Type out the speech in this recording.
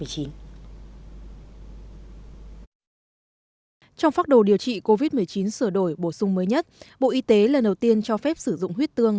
trong phá đồ điều trị covid một mươi chín sửa đổi bổ sung mới nhất bộ y tế lần đầu tiên cho phép sử dụng huyết tương